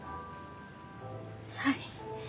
はい。